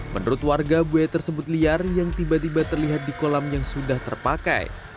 menurut warga buaya tersebut liar yang tiba tiba terlihat di kolam yang sudah terpakai